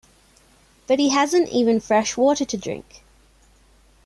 But he hasn’t even fresh water to drink.